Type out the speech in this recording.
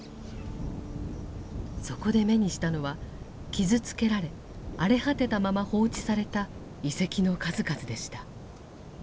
そこで目にしたのは傷つけられ荒れ果てたまま放置された遺跡の数々でした。